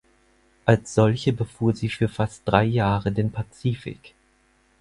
Als solche befuhr sie für fast drei Jahre den Pazifik.